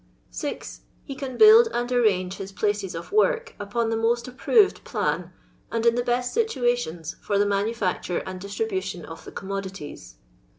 (6) He can build and arrange his places of work upon the most approved plan and in the best situations for the manufacture and distribution of the commodities.